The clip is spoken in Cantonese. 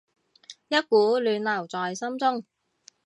一股暖流在心中